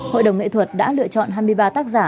hội đồng nghệ thuật đã lựa chọn hai mươi ba tác giả